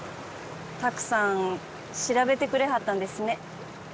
「たくさん調べてくれはったんですね」